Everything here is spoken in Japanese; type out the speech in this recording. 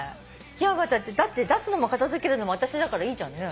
だって出すのも片付けるのも私だからいいじゃんね。